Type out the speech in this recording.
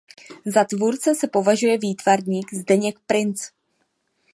Za tvůrce se považuje výtvarník Zdeněk Princ.